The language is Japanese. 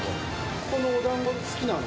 ここのおだんご好きなの？